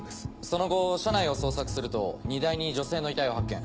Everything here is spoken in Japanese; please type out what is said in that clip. その後車内を捜索すると荷台に女性の遺体を発見。